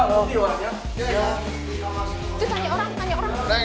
tanya orang tanya orang